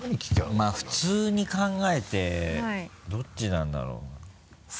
まぁ普通に考えてどっちなんだろうな。